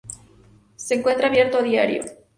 Se encuentra abierto a diario.